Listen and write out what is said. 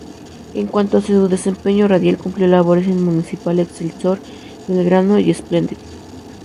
En cuanto a su desempeño radial, cumplió labores en Municipal, Excelsior, Belgrano y Splendid.